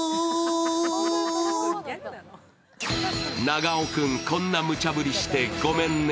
長尾君、こんなむちゃぶりしてごめんね。